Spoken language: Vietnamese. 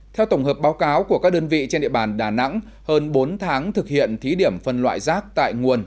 theo tổng hợp báo cáo của các đơn vị trên địa bàn đà nẵng hơn bốn tháng thực hiện thí điểm phân loại rác tại nguồn